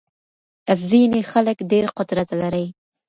ځينې خلګ ډېر قدرت لري.